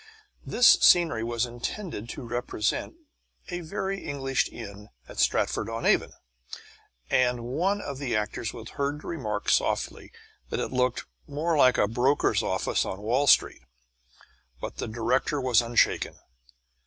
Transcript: This scenery was intended to represent a very ancient English inn at Stratford on Avon, and one of the authors was heard to remark softly that it looked more like a broker's office on Wall Street. But the director was unshaken.